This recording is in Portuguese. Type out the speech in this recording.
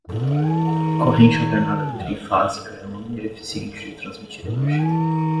Corrente alternada trifásica é uma maneira eficiente de transmitir energia.